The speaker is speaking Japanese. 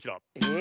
え。